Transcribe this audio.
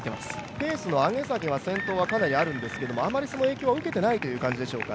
ペースの上げ下げは先頭は結構あるんですけども、レースはその影響をあまり受けてないという感じでしょうか？